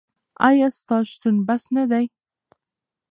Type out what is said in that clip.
ایا ستا شتون بس نه دی؟